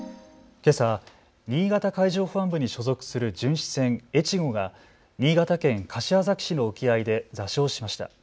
けさ新潟海上保安部に所属する巡視船えちごが新潟県柏崎市の沖合で座礁しました。